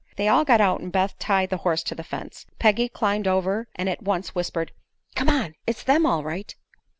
They all got out and Beth tied the horse to the fence. Peggy climbed over and at once whispered: "Come on! It's them, all right."